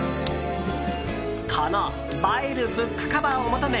この映えるブックカバーを求め